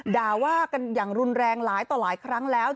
ด่าว่ากันอย่างรุนแรงหลายต่อหลายครั้งแล้ว